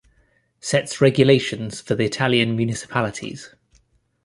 Sets regulations for the Italian municipalities.